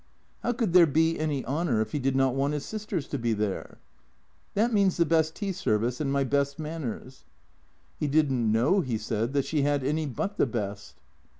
How could there be any honour if he did not want his sisters to be there? " That means the best tea service and my best manners ?" He didn't know, he said, that she had any but the best.